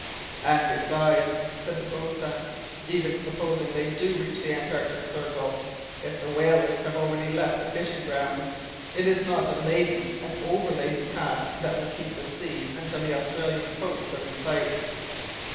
"And besides," said the boatswain, "even supposing they do reach the Antarctic Circle. If the whalers have already left the fishing grounds, it is not a laden and overladen craft that will keep the sea until the Australian coasts are in sight."